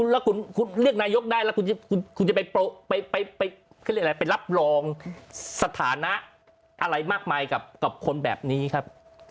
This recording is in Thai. แล้วคุณเรียกนายกได้แล้วคุณจะไปรับรองสถานะอะไรมากมายกับคนแบบนี้ครับ